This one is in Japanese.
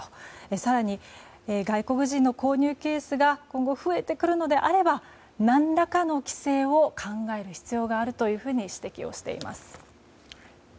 更に外国人の購入ケースが今後、増えてくるのであれば何らかの規制を考える必要があるというふうに指摘をしています。